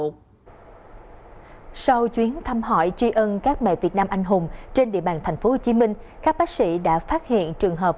trong hỏi tri ân các mẹ việt nam anh hùng trên địa bàn tp hcm các bác sĩ đã phát hiện trường hợp